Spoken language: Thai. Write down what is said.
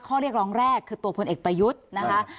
ข้อเรียกร้องแรกคือตัวพลเอกประยุทธ์นะคะ